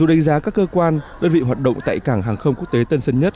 đánh giá các cơ quan đơn vị hoạt động tại cảng hàng không quốc tế tân sơn nhất